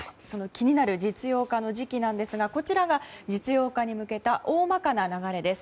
気になる実用化の時期ですがこちらが実用化に向けた大まかな流れです。